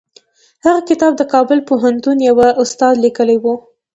هغه کتاب د کابل پوهنتون یوه استاد لیکلی و.